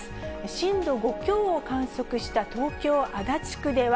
震度５強を観測した東京・足立区では、